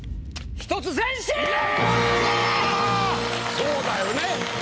そうだよね。